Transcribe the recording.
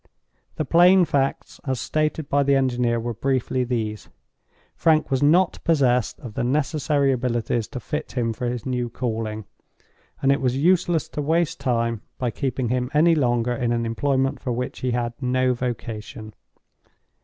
The plain facts, as stated by the engineer, were briefly these: Frank was not possessed of the necessary abilities to fit him for his new calling; and it was useless to waste time by keeping him any longer in an employment for which he had no vocation.